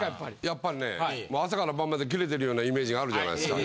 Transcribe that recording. やっぱりねもう朝から晩までキレてるようなイメージがあるじゃないですか。